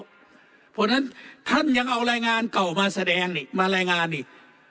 เพราะฉะนั้นท่านยังเอารายงานเก่ามาแสดงนี่มารายงานอีก